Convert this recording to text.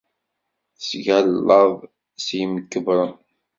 Tettgallaḍ deg yimkebbren.